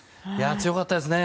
強かったですね。